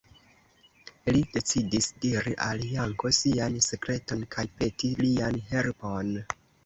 Li decidis diri al Janko sian sekreton kaj peti lian helpon.